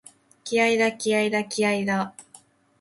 気合いだ、気合いだ、気合いだーっ！！！